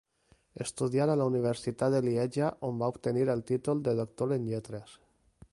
Estudiar a la Universitat de Lieja on va obtenir el títol de Doctor en Lletres.